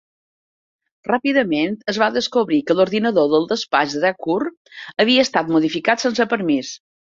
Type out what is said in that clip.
Ràpidament es va descobrir que l'ordinador del despatx de Thakur havia estat modificat sense permís.